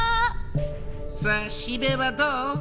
さあ四部はどう？